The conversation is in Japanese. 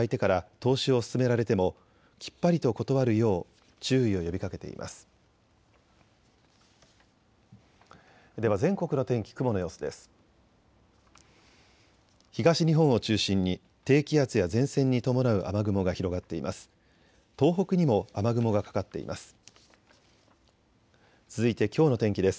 東日本を中心に低気圧や前線に伴う雨雲が広がっています。